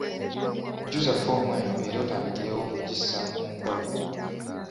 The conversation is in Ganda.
jjuza ffoomu eno era otandikirewo okugissa mu nkola